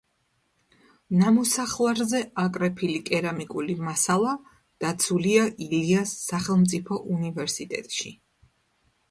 ნამოსახლარზე აკრეფილი კერამიკული მასალა დაცულია ილიას სახელმწიფო უნივერსიტეტში.